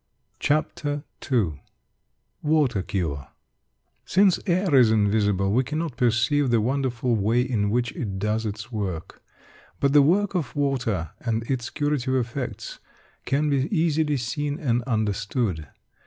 CHAPTER II WATER CURE Since air is invisible, we cannot perceive the wonderful way in which it does its work. But the work of water and its curative effects can be easily seen and understood.